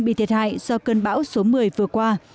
bị thiệt hại do cơn bão số một mươi vừa qua